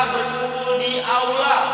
bertumpul di aula